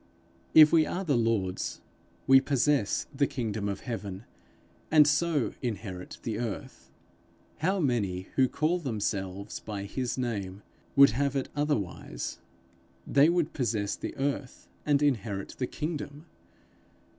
If we are the Lord's, we possess the kingdom of heaven, and so inherit the earth. How many who call themselves by his name, would have it otherwise: they would possess the earth and inherit the kingdom!